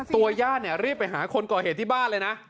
ตัวย่าดเนี่ยรีบไปหาคนก่อเหตุที่บ้านเลยนะ